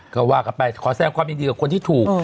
ก็ว่ากันไปขอแสดงความยินดีกับคนที่ถูก